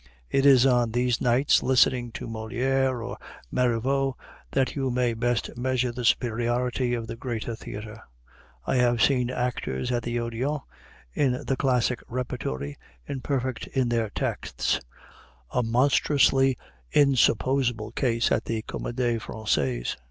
It is on these nights, listening to Molière or Marivaux, that you may best measure the superiority of the greater theater. I have seen actors at the Odéon, in the classic repertory, imperfect in their texts; a monstrously insupposable case at the Comédie Française.